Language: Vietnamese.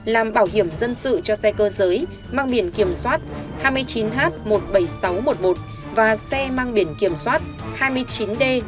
làm bảo hiểm dân sự cho xe cơ giới mang biển kiểm soát hai mươi chín h một mươi bảy nghìn sáu trăm một mươi một và xe mang biển kiểm soát hai mươi chín d ba mươi nghìn chín trăm năm mươi sáu